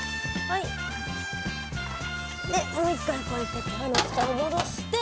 でもう一回こうやって缶の蓋を戻して。